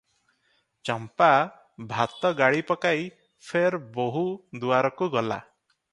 ଚମ୍ପା ଭାତ ଗାଳି ପକାଇ ଫେର ବୋହୂ ଦୁଆରକୁ ଗଲା ।